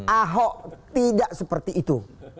ahok tidak seperti itu